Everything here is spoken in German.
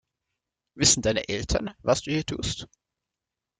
Wissen deine Eltern, was du hier tust?